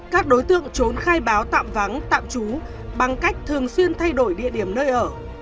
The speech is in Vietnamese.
các đối tượng trốn khai báo tạm vắng tạm trú bằng cách thường xuyên thay đổi địa điểm nơi ở